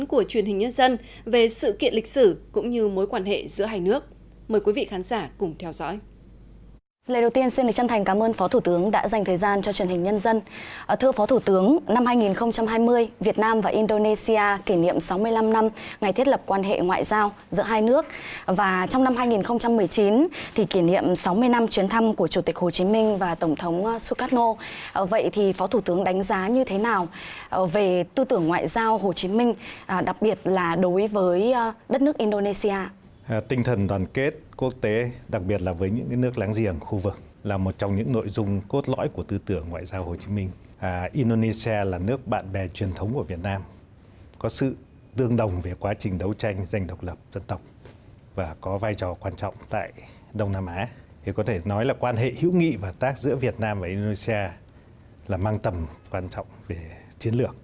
của truyền hình nhân dân về sự kiện lịch sử cũng như mối quan hệ giữa hai nước